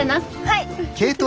はい。